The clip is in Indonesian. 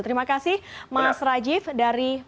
terima kasih mas rajiv dari